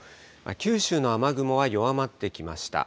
九州の雨雲は弱まってきました。